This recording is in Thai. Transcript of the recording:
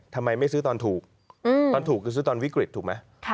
ทำไมไม่ซื้อตอนถูกตอนถูกคือซื้อตอนวิกฤตถูกไหม